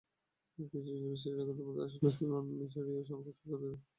কিছু বিশেষজ্ঞের মতে, আসলে সোলন মিসরীয় সংখ্যা সংকেত বুঝতে ভুল করেছিলেন।